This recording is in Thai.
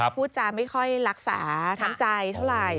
พูดจาไม่ค่อยรักษาน้ำใจเท่าไหร่